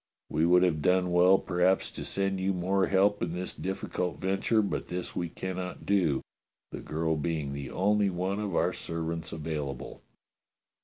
We would have done well perhaps to send you more help in this diflBcult venture, but this we cannot do, the girl being the only one of our servants available.